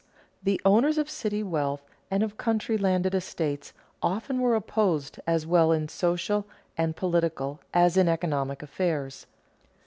_The owners of city wealth and of country landed estates often were opposed as well in social and political as in economic affairs.